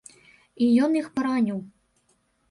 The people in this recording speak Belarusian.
І ён іх параніў.